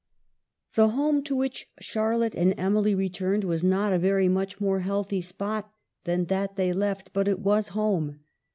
The home to which Charlotte and Emily re turned was not a very much more healthy spot than that they left ; but it was home.